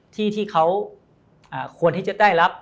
ที่เขาควรที่จะได้รับ